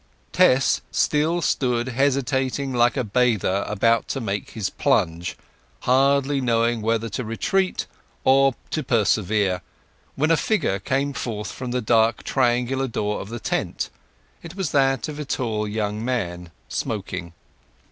Tess still stood hesitating like a bather about to make his plunge, hardly knowing whether to retreat or to persevere, when a figure came forth from the dark triangular door of the tent. It was that of a tall young man, smoking.